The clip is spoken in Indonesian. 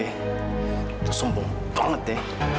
itu sombong banget ya